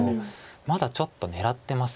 まだちょっと狙ってます。